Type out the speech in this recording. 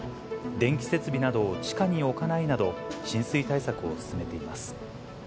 電気設備などを地下に置かないなど、浸水対策を進めています。